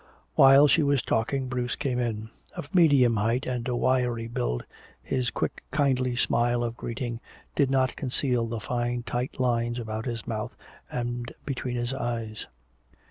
While she was talking Bruce came in. Of medium height and a wiry build, his quick kindly smile of greeting did not conceal the fine tight lines about his mouth and between his eyes.